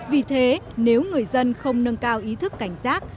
vì thế nếu người dân không nâng cao ý thức cảnh giác